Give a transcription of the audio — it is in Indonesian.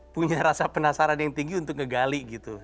punya rasa penasaran yang tinggi untuk ngegali gitu